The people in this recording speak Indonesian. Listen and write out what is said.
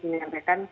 dan itu diberikan